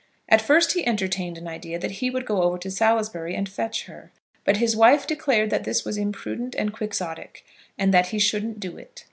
At first he entertained an idea that he would go over to Salisbury and fetch her; but his wife declared that this was imprudent and Quixotic, and that he shouldn't do it.